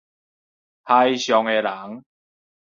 海上的人